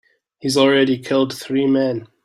He's already killed three men.